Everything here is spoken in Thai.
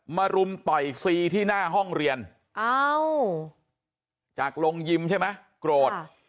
รุมต่อยซีที่หน้าห้องเรียนจากโรงยิมใช่ไหมโกรธ